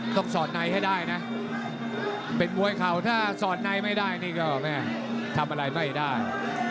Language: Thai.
สอดในให้ได้นะเป็นมวยเข่าถ้าสอดในไม่ได้นี่ก็แม่ทำอะไรไม่ได้